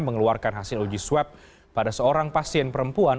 mengeluarkan hasil uji swab pada seorang pasien perempuan